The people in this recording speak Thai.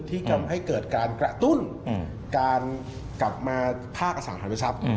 ที่ทำให้เกิดการกระตุ้นการกลับมาภาคอสังหาริทรัพย์